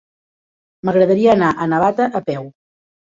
M'agradaria anar a Navata a peu.